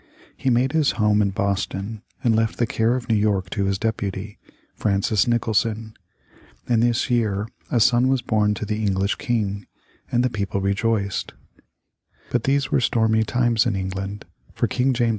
He made his home in Boston, and left the care of New York to his deputy, Francis Nicholson. In this year a son was born to the English King, and the people rejoiced. But these were stormy times in England, for King James II.